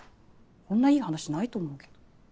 こんないい話ないと思うけど。